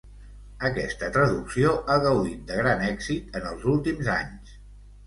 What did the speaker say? Aquesta traducció ha gaudit de gran èxit en els últims anys.